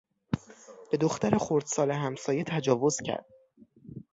به دختر خردسال همسایه تجاوز کرد.